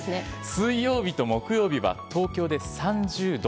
水曜日と木曜日は、東京で３０度。